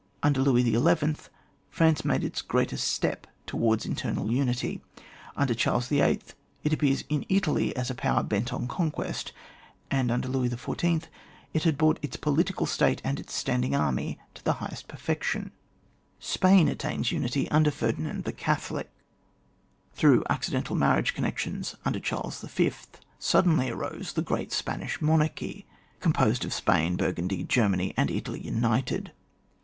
Under Louis XI., France made its greatest step towards internal unity; imder Charles Vlll. it appears in It^y as a power bent on conquest ; and under Louis Xiy. it had brought its political state and its standing army to the highest perfection. Spain attains to unity under Ferdinand the Catholic; through accidental mar riage connections, under Charles Y., sud denly arose the great Spanish monarchy, composed of Spain, Burgundy, Germany, and Italy united.